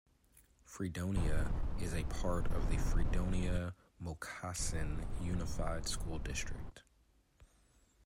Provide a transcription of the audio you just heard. Fredonia is a part of the Fredonia-Moccasin Unified School District.